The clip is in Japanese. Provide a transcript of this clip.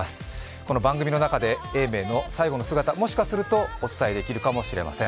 この番組の中で永明の最後の姿もしかするとお伝えできるかもしれません。